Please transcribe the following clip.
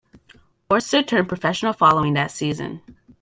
Orser turned professional following that season.